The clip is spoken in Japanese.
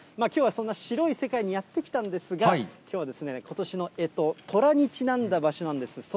きょうはそんな白い世界にやって来たんですが、きょうは、ことしのえととらにちなんだ場所なんです。